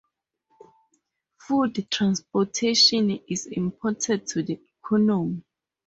Food transportation is important to the economy.